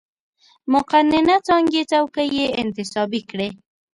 مقننه څانګې څوکۍ یې انتصابي کړې.